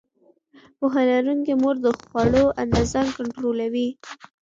پوهه لرونکې مور د خوړو اندازه کنټرولوي.